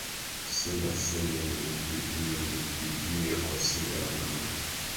Sina simu nilipigie kwa simu ya mama